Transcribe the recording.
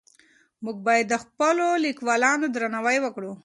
موږ باید د خپلو لیکوالانو درناوی وکړو.